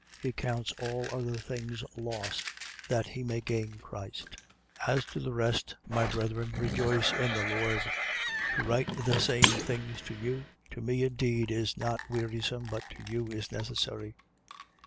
He counts all other things loss, that he may gain Christ. 3:1. As to the rest, my brethren, rejoice in the Lord. To write the same things to you, to me indeed is not wearisome, but to you is necessary.